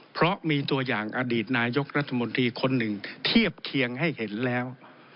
เพราะมีตัวอย่างอดีตนายกรัฐมนตรีคนหนึ่งเทียบเคียงให้เห็นแล้ว